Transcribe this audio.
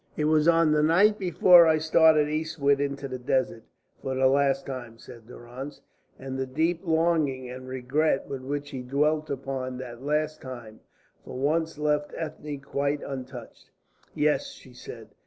"It was on the night before I started eastward into the desert for the last time," said Durrance, and the deep longing and regret with which he dwelt upon that "last time" for once left Ethne quite untouched. "Yes," she said.